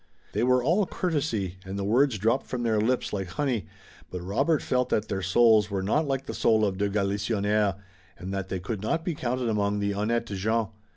They were all courtesy and the words dropped from their lips like honey, but Robert felt that their souls were not like the soul of de Galisonnière, and that they could not be counted among the honnêtes gens.